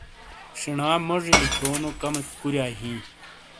شینا مونی لکھیونو کمیک کُوریائی ہیں۔